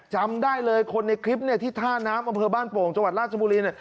จำได้เลยคนในคลิปที่ท่าน้ำอำเภอบ้านโป่งจวัดราชบุรี